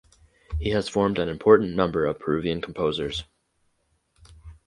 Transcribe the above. He has formed an important number of Peruvian composers.